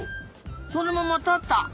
そのままたった！